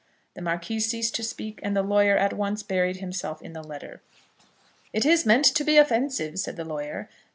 The Marquis ceased to speak, and the lawyer at once buried himself in the letter. "It is meant to be offensive," said the lawyer.